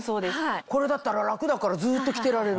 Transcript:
これだったら楽だからずっと着てられる。